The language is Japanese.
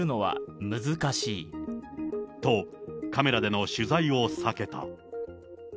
と、カメラでの取材を避けた。